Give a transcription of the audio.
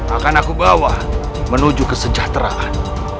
akan aku bawa menuju kesejahteraan